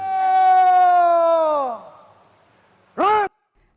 tidak ada yang tidak bisa diberikan